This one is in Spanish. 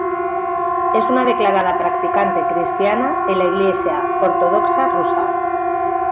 Es una declarada practicante cristiana en la Iglesia ortodoxa rusa.